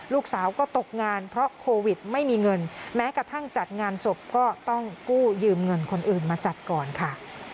ลูกสาวก็ตกงานเพราะโควิดไม่มีเงินแม้กระทั่งจัดงานศพก็ต้องกู้ยืมเงินคนอื่นมาจัดก่อนค่ะ